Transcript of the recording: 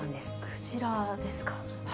クジラですか。